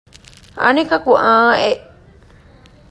އަނެކަކު އާނއެއް